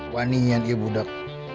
wani yang dia budak